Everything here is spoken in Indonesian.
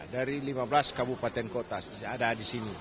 dari lima belas kabupaten kota ada di sini